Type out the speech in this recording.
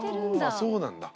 ああそうなんだ。